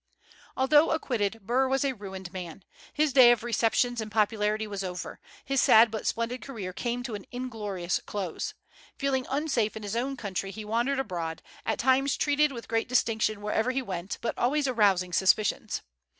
Although acquitted, Burr was a ruined man. His day of receptions and popularity was over. His sad but splendid career came to an inglorious close. Feeling unsafe in his own country, he wandered abroad, at times treated with great distinction wherever he went, but always arousing suspicions.